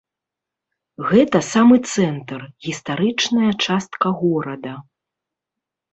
Гэта самы цэнтр, гістарычная частка горада.